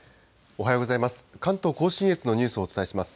おはようございます。